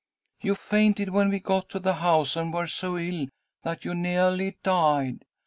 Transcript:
You fainted when we got to the house, and were so ill that you neahly died.